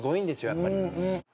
やっぱり。